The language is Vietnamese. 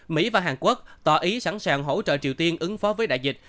mỹ và hàn quốc tỏ ý sẵn sàng hỗ trợ triều tiên ứng phó với đại dịch